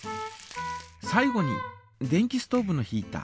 最後に電気ストーブのヒータ。